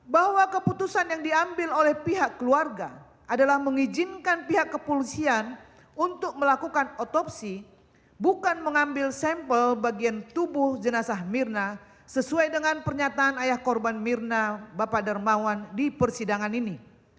bahwa keputusan yang diambil oleh pihak keluarga adalah mengizinkan pihak kepolisian untuk melakukan otopsi bukan mengambil sampel bagian tubuh jenazah mirna sesuai dengan pernyataan ayah korban mirna bapak darmawan di persidangan ini